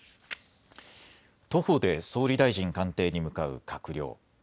徒歩で総理大臣官邸に向かう閣僚。